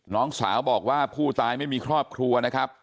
น้องสาวบอกว่าผู้ตายไม่มีครอบครัวนะครับ